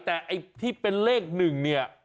แต่ที่เป็นเลขหนึ่งเนี่ย